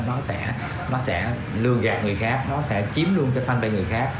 nó sẽ luôn gạt người khác nó sẽ chiếm luôn cái fanpage người khác